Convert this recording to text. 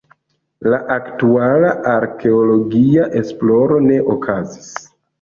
La aktuala arkeologia esploro ne okazis.